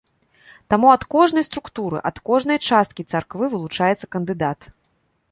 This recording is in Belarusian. Таму ад кожнай структуры, ад кожнай часткі царквы вылучаецца кандыдат.